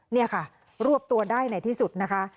นี่ค่ะรวบตัวได้ในที่สุดนะคะ